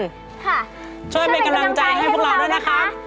ค่ะช่วยเป็นกำลังใจให้พวกเราด้วยนะคะ